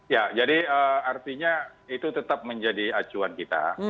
ya jadi artinya itu tetap menjadi acuan kita